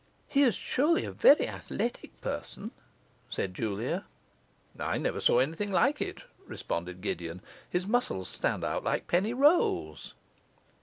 'He is surely a very athletic person,' said Julia. 'I never saw anything like it,' responded Gideon. 'His muscles stand out like penny rolls.